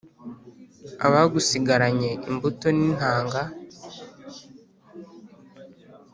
Abagusigaranye imbuto n’intanga